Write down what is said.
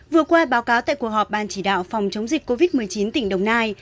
vừa qua báo cáo tại cuộc họp ban chỉ đạo phòng chống dịch covid một mươi chín tỉnh đồng nai